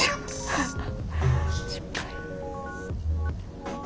失敗。